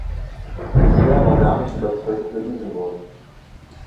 Bisher war gar nicht überzeugend bewiesen worden.